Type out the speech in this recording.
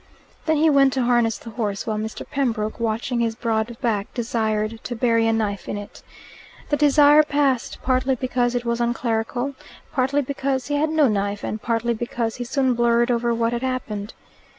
Then he went to harness the horse, while Mr. Pembroke, watching his broad back, desired to bury a knife in it. The desire passed, partly because it was unclerical, partly because he had no knife, and partly because he soon blurred over what had happened.